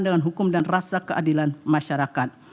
dengan hukum dan rasa keadilan masyarakat